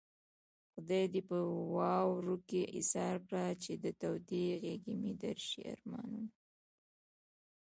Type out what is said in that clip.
خدای دې په واورو کې ايسار کړه چې د تودې غېږې مې درشي ارمانونه